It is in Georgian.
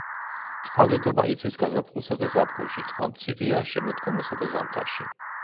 წყალდიდობა იცის გაზაფხულსა და ზაფხულში, წყალმცირეა შემოდგომასა და ზამთარში.